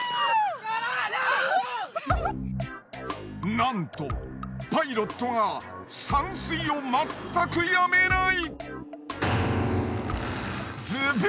なんとパイロットが散水をまったくやめない！